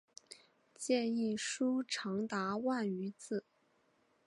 建议书长达万余字。